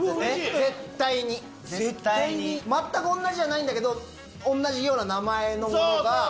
全く同じじゃないんだけど同じような名前のものが。